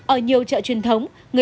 ở nhiều chợ truyền thống